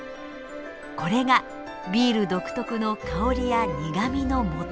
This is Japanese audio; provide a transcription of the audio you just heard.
これがビール独特の香りや苦みのもと。